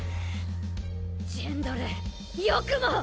ジェンドルよくも！